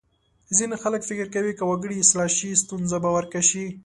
ځینې خلک فکر کوي که وګړي اصلاح شي ستونزه به ورکه شي.